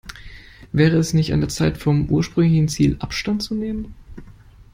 Wäre es nicht an der Zeit, vom ursprünglichen Ziel Abstand zu nehmen?